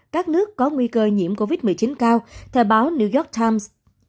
các nước có nguy cơ nhiễm covid một mươi chín cao tờ báo new york times